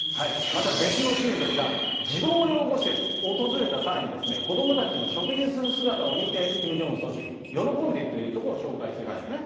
また別のシーンですが、児童養護施設、訪れた際にですね、子どもたちの食事する姿を見て、キム・ジョンウン総書記、喜んでいるということを紹介してたんですね。